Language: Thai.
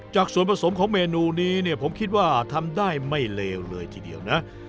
จากส่วนผสมของเมนูนี้เนี่ยผมคิดว่าทำได้ไม่เลวเลยทีเดียวนะ